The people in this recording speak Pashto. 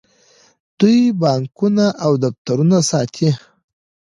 دوی بانکونه او دفترونه ساتي.